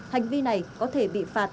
hành vi này có thể bị phạt